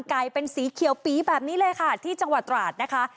เป็นสีเขียวปีแบบนี้เลยค่ะที่จังหวัดตราดนะคะ